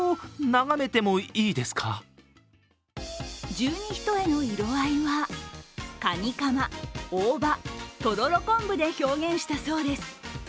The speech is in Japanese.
十二単の色合いはカニカマ、大葉とろろ昆布で表現したそうです。